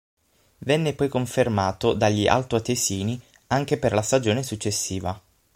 Venne poi confermato dagli altoatesini anche per la stagione successiva.